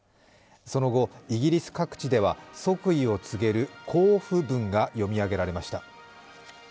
その後、イギリス各地では即位を告げる公布文が読み上げられました。